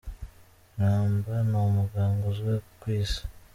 Mwamba ni umuganga uzwi ku isi.